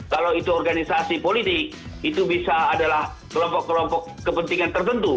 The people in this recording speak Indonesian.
kalau itu organisasi politik itu bisa adalah kelompok kelompok kepentingan tertentu